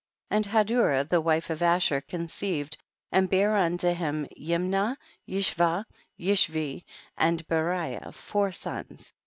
18. And Hadurah the wife of Ash er conceived and bare unto him Yimnah, Yishvah, Yishvi and Be riah ; four sons.